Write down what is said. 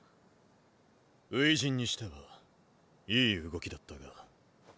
初陣にしてはいい動きだったが。